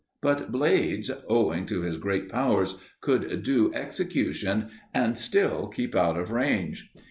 But Blades, owing to his great powers, could do execution and still keep out of range.